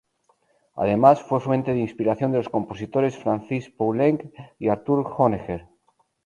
Además, fue fuente de inspiración de los compositores Francis Poulenc y Arthur Honegger.